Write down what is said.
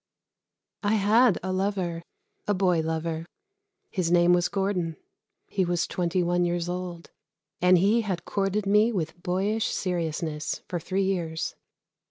I had a lover a boy lover. His name was Gordon. He was twenty one years old, and he had courted me with boyish seriousness for three years.